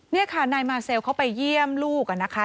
นี่ค่ะนายมาเซลเขาไปเยี่ยมลูกนะคะ